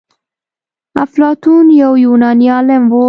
افلاطون يو يوناني عالم و.